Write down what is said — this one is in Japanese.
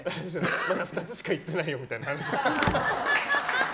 まだ２つしかいってないよみたいな話。